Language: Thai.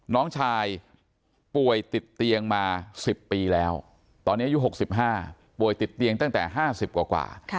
น้องชายป่วยติดเตียงมา๑๐ปีแล้วตอนนี้อายุ๖๕ป่วยติดเตียงตั้งแต่๕๐กว่า